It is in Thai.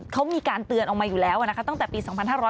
เขามีการเตือนออกมาอยู่แล้วตั้งแต่ปี๒๕๕๙